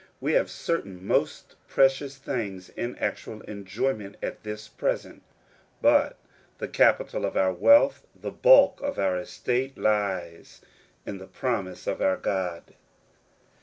We have certain most precious things in actual enjoyment at this present ; but the capital of our wealth, the bulk of our estate lies in the promise of our God.